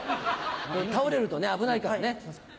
倒れると危ないからね。